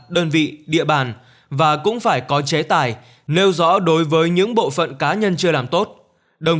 đơn vị địa bàn và cũng phải có chế tài nêu rõ đối với những bộ phận cá nhân chưa làm tốt